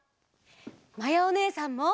まやおねえさんも！